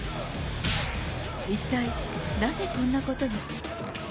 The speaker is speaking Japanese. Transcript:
一体なぜこんなことに。